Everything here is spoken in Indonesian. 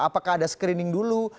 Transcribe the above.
apakah ada screening dulu